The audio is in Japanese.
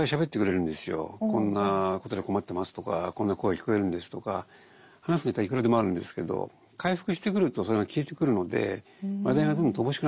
「こんなことで困ってます」とか「こんな声聞こえるんです」とか話すネタはいくらでもあるんですけど回復してくるとそれが消えてくるので話題が乏しくなってくるんですよね。